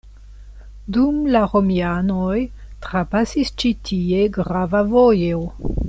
Dum la romianoj trapasis ĉi tie grava vojo.